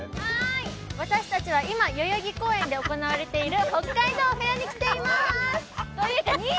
私たちは今、代々木公園で行われている北海道フェアに来ています。